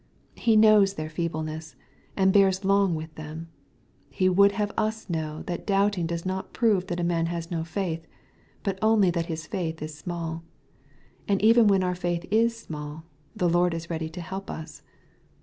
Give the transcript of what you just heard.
He knows their feebleness, and bears long with them. He would have us know that doubting doeii not prove that a man has no faith, but only that his faith Js ismBlL And even when our faith is small, the Lord is ready to help us.